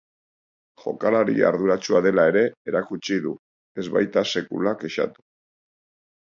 Jokalari arduratsua dela ere erakutsi du, ez baita sekula kexatu.